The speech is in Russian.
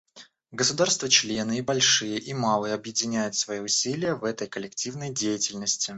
Государства-члены, и большие, и малые, объединяют свои усилия в этой коллективной деятельности.